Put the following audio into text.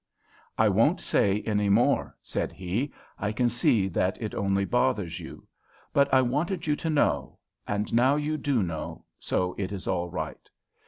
"I won't say any more," said he; "I can see that it only bothers you. But I wanted you to know, and now you do know, so it is all right.